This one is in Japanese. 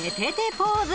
ポーズ。